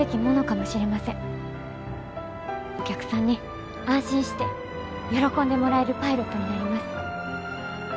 お客さんに安心して喜んでもらえるパイロットになります。